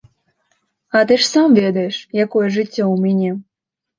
А ты ж сам ведаеш, якое жыццё ў мяне.